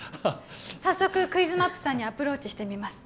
早速クイズマップさんにアプローチしてみます